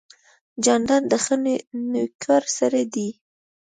جانداد د ښه نویکر سړی دی.